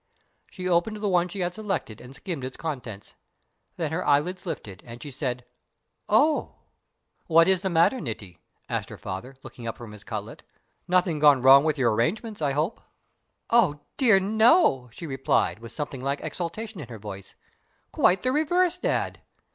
She opened the one she had selected and skimmed its contents. Then her eyelids lifted, and she said: "Oh!" "What is the matter, Niti?" asked her father, looking up from his cutlet. "Nothing gone wrong with your arrangements, I hope." "Oh dear, no," she replied, with something like exultation in her voice, "quite the reverse, Dad.